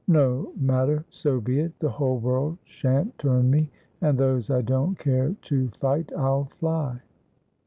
No matter, so be it; the whole world shan't turn me, and those I don't care to fight I'll fly."